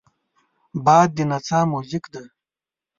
باد د نڅا موزیک دی